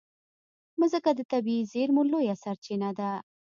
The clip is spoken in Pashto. مځکه د طبعي زېرمو لویه سرچینه ده.